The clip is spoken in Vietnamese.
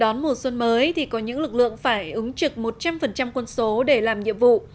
đón mùa xuân mới thì có những lực lượng phải ứng trực một trăm linh quân số để làm nhiệm vụ